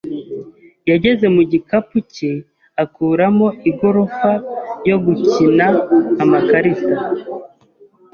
yageze mu gikapu cye akuramo igorofa yo gukina amakarita.